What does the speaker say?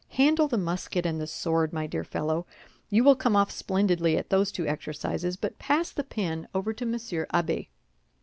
Handle the musket and the sword, my dear fellow. You will come off splendidly at those two exercises; but pass the pen over to Monsieur Abbé.